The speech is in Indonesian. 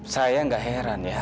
saya nggak heran ya